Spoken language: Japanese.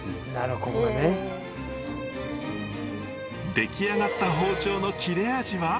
出来上がった包丁の切れ味は。